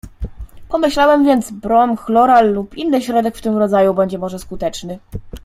"Pomyślałem więc: brom, chloral lub inny środek w tym rodzaju będzie może skuteczny."